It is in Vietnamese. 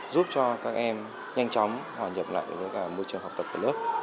giúp cho các em nhanh chóng hòa nhập lại với cả môi trường học tập của nước